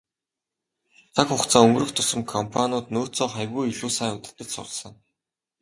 Цаг хугацаа өнгөрөх тусам компаниуд нөөцөө хавьгүй илүү сайн удирдаж сурсан.